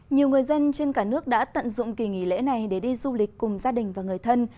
nhiều người dân trên cả nước đã tận dụng kỳ nghỉ lễ này để đi du lịch cùng gia đình và người thân